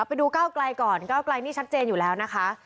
ไปดูก้าวไกลก่อนก้าวไกลนี่ชัดเจนอยู่แล้วนะคะ